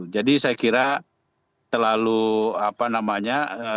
jadi saya kira selalu apa namanya